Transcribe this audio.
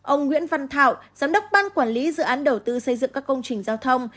ông nguyễn văn thảo giám đốc ban quản lý dự án đầu tư xây dựng các công trình giao thông